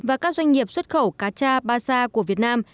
và các doanh nghiệp xuất khẩu cá cha ba sa của việt nam